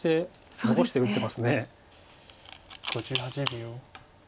５８秒。